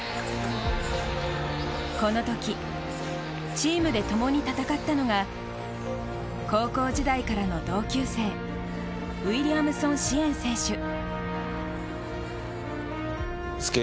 この時、チームで共に戦ったのが高校時代からの同級生ウイリアムソン師円選手。